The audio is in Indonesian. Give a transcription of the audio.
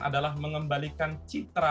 adalah mengembalikan citra